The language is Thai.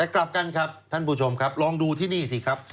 กลับกันครับท่านผู้ชมครับลองดูที่นี่สิครับ